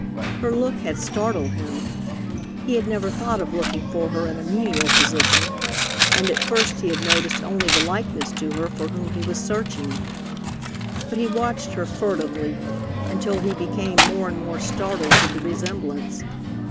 Her look had startled him. He had never thought of looking for her in a menial position, and at first he had noticed only the likeness to her for whom he was searching. But he watched her furtively, until he became more and more startled with the resemblance.